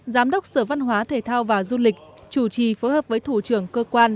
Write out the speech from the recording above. giám đốc sở văn hóa thể thao và du lịch chủ trì phối hợp với thủ trưởng cơ quan